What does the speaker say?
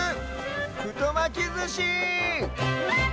ふとまきずし！